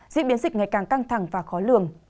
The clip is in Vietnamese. diễn biến dịch ngày càng căng thẳng và khó lường